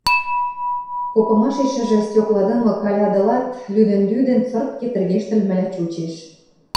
Попымашешӹжӹ стёкладымы калядылат, лӱдын-лӱдын, цыртке тӹргештӹлмӹлӓ чучеш.